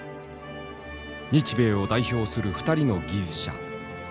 日米を代表する２人の技術者。